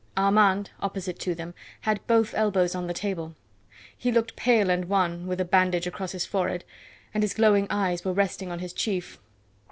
Armand, opposite to them, had both elbows on the table. He looked pale and wan, with a bandage across his forehead, and his glowing eyes were resting on his chief.